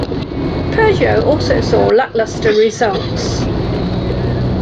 Peugeot also saw lackluster results.